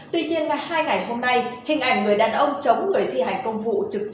tuy nhiên hai ngày hôm nay hình ảnh người đàn ông chống người thi hành công vụ trực chốt kiểm dịch